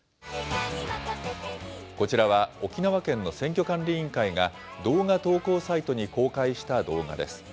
こちらは沖縄県の選挙管理委員会が、動画投稿サイトに公開した動画です。